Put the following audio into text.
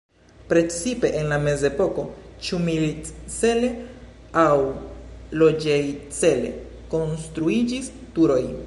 Precipe en la mezepoko ĉu milit-cele aŭ loĝej-cele konstruiĝis turoj.